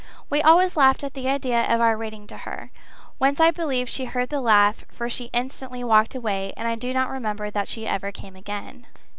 We always laughed at the idea of our reading to her. Once I believe she heard the laugh, for she instantly walked away, and I do not remember that she ever came again.